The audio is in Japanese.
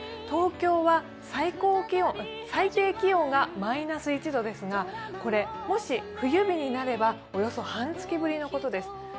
東京は最低気温がマイナス１度ですが、これ、もし、冬日になればおよそ半月ぶりのことです。